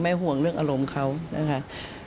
ห่วงเรื่องอารมณ์เขานะคะ